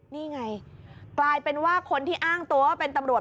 นี่ไงกลายเป็นว่าคนที่อ้างตัวว่าเป็นตำรวจ